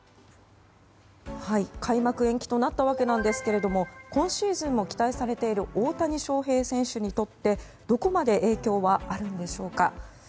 開幕延期となったわけですが今シーズンも期待されている大谷翔平選手にとってどこまで影響はあるのでしょうか。